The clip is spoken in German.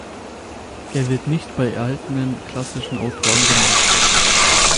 Er wird nicht bei erhaltenen klassischen Autoren genannt.